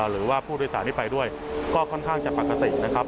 หรือว่าผู้โดยสารที่ไปด้วยก็ค่อนข้างจะปกตินะครับ